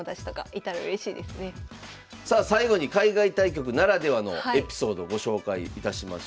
最後に海外対局ならではのエピソードご紹介いたしましょう。